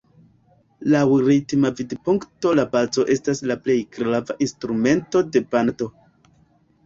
Laŭ ritma vidpunkto la baso estas la plej grava instrumento de bando.